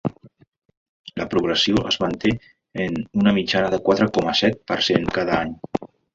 La progressió es manté en una mitjana de quatre coma set per cent cada any.